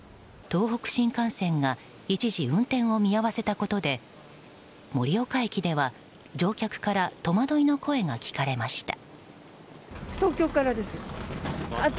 東北新幹線が一時運転を見合わせたことで盛岡駅では、乗客から戸惑いの声が聞かれました。